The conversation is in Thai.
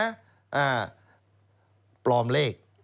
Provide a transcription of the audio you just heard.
อ่าปลอมเลข